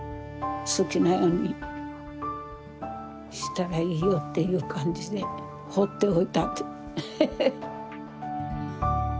好きなようにしたらいいよっていう感じでほっておいたんで。へへっ。